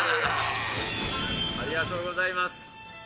ありがとうございます。